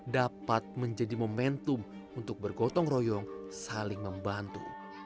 dapat menjadi momentum untuk bergotong royong saling membantu